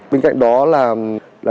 bên cạnh đó là